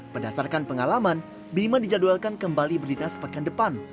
berdasarkan pengalaman bima dijadwalkan kembali berdinas pekan depan